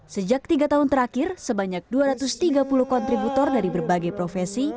sejak tiga tahun terakhir sebanyak dua ratus tiga puluh kontributor dari berbagai profesi